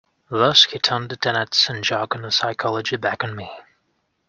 Thus he turned the tenets and jargon of psychology back on me.